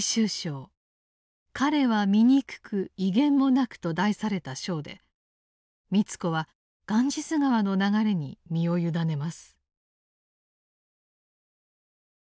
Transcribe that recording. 「彼は醜く威厳もなく」と題された章で美津子はガンジス河の流れに身を委ねます。